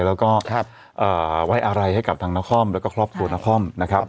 แล้วก็ไว้อะไรให้กับทางนครแล้วก็ครอบครัวนครนะครับ